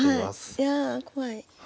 いや怖い。